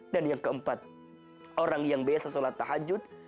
dan yang keempat orang yang biasa sholat tahajud